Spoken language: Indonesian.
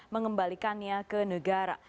mengembalikannya ke negara